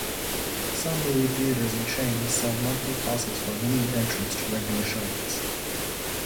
Some movie theaters and chains sell monthly passes for unlimited entrance to regular showings.